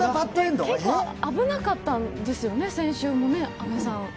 危なかったんですよね、先週もね、阿部さん。